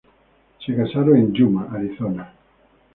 Se casaron en Yuma, Arizona.